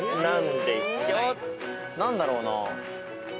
何だろうな。